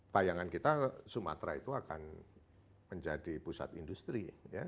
bayangan kita sumatera itu akan menjadi pusat industri